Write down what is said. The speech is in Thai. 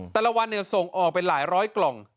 แต่ละวันส่งออกเป็นหลายร้อยกล่อง